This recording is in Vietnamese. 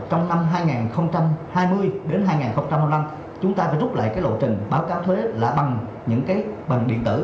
trong năm hai nghìn hai mươi đến hai nghìn hai mươi năm chúng ta phải rút lại cái lộ trình báo cáo thuế là bằng những cái bằng điện tử